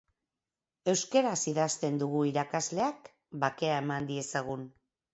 Euskaraz idazten dugu irakasleak bakea eman diezagun.